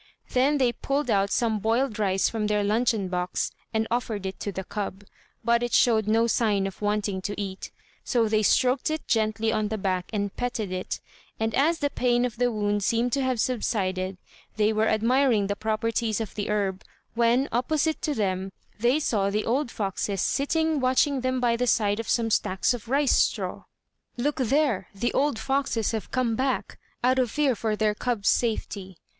Then they pulled out some boiled rice from their luncheon box and offered it to the cub, but it showed no sign of wanting to eat; so they stroked it gently on the back and petted it; and as the pain of the wound seemed to have subsided, they were admiring the properties of the herb, when, opposite to them, they saw the old foxes sitting watching them by the side of some stacks of rice straw. "Look there! the old foxes have come back, out of fear for their cub's safety.